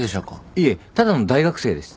いえただの大学生です。